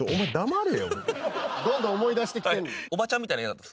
どんどん思い出してきてんねん。